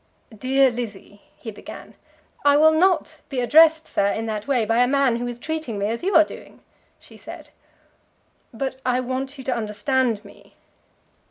"Dear Lizzie " he began. "I will not be addressed, sir, in that way by a man who is treating me as you are doing," she said. "But I want you to understand me."